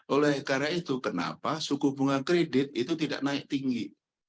oleh karena itu kenapa suku bunga kredit itu tidak naik tinggi